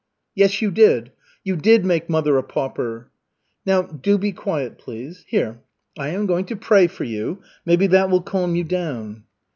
"Yes, you did, you did make mother a pauper." "Now, do be quiet, please. Here, I am going to pray for you. Maybe that will calm you down."